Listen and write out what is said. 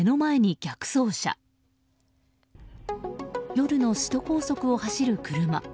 夜の首都高速を走る車。